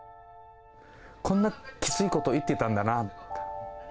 こんなきついことを言ってたんだな。